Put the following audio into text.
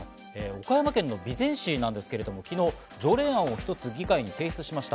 岡山県の備前市なんですが、昨日、条例案を一つ議会に提出しました。